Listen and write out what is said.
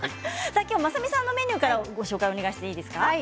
まさみさんのメニューからご紹介をお願いしていいですか。